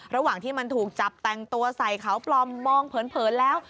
ระหว่างที่มันถูกจับแต่งตัวใส่เขาปลอมมองเผินแล้ว